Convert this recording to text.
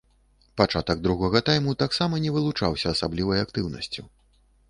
Пачатак другога тайму таксама не вылучаўся асаблівай актыўнасцю.